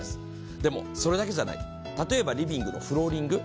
でも、それだけじゃない、例えばリビングのフローリング。